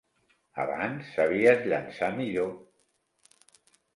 Abans sabies llançar millor.